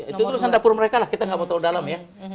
itu urusan dapur mereka lah kita nggak mau terlalu dalam ya